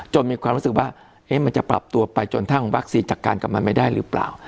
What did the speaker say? มีความรู้สึกว่ามันจะปรับตัวไปจนทั้งวัคซีนจัดการกับมันไม่ได้หรือเปล่า